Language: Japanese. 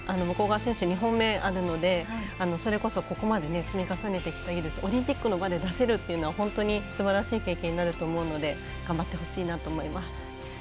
向川選手、２本目あるのでそれこそ、ここまで技術積み重ねてきてオリンピックの場で出せるのはすばらしい経験になるので頑張ってほしいなと思います。